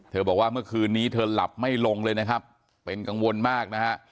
บอกว่าเมื่อคืนนี้เธอหลับไม่ลงเลยนะครับเป็นกังวลมากนะฮะ